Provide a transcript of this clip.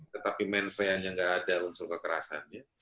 tetapi mensreanya nggak ada unsur kekerasannya